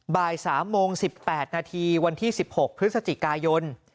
บ่าย๓โมง๑๘นาทีวันที่๑๖พฤศจิกายน